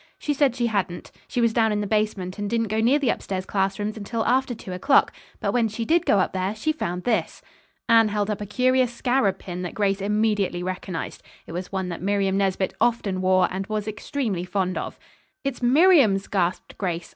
She said she hadn't. She was down in the basement and didn't go near the upstairs classrooms until after two o'clock. But when she did go up there she found this." Anne held up a curious scarab pin that Grace immediately recognized. It was one that Miriam Nesbit often wore, and was extremely fond of. "It's Miriam's," gasped Grace.